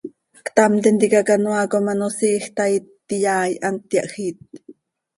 Ctam tintica canoaa com ano siij taa ityaai, hant yahjiit.